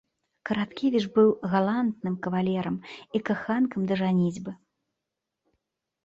Караткевіч быў галантным кавалерам і каханкам да жаніцьбы.